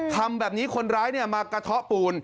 ทำแบบนี้คนร้ายมากระเทาะปูน